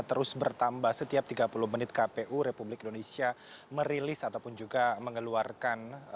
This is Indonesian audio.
terus bertambah setiap tiga puluh menit kpu republik indonesia merilis ataupun juga mengeluarkan